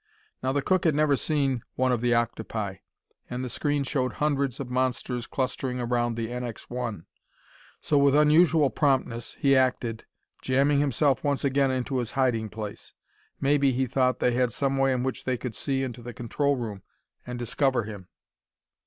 Now the cook had never seen one of the octopi, and the screen showed hundreds of monsters clustering around the NX 1. So with unusual promptness he acted, jamming himself once again into his hiding place. Maybe, he thought, they had some way in which they could see into the control room and discover him!